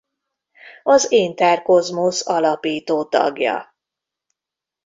Az Interkozmosz alapító tagja.